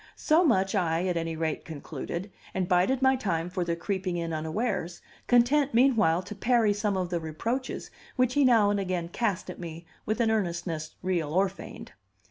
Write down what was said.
So much I, at any rate, concluded, and bided my time for the creeping in unawares, content meanwhile to parry some of the reproaches which he now and again cast at me with an earnestness real or feigned.